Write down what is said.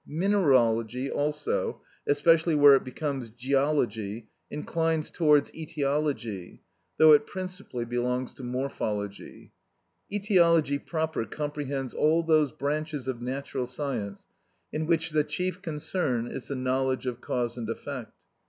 Mineralogy also, especially where it becomes geology, inclines towards etiology, though it principally belongs to morphology. Etiology proper comprehends all those branches of natural science in which the chief concern is the knowledge of cause and effect.